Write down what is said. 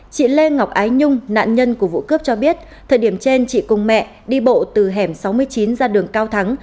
chị lê ngọc ái nhung nạn nhân của vụ cướp cho biết thời điểm trên chị cùng mẹ đi bộ từ hẻm sáu mươi chín ra đường cao thắng